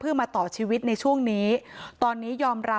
พี่สาวบอกว่าไม่ได้ไปกดยกเลิกรับสิทธิ์นี้ทำไม